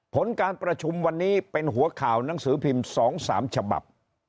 ผลการประชุมวันนี้เป็นหัวข่าวหนังสือพิมพ์๒๓ฉบับ